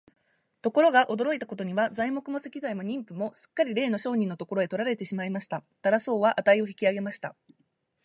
ところが、驚いたことには、材木も石材も人夫もすっかりれいの商人のところへ取られてしまいました。タラス王は価を引き上げました。